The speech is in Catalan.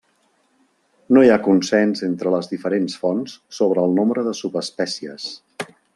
No hi ha consens entre les diferents fonts sobre el nombre de subespècies.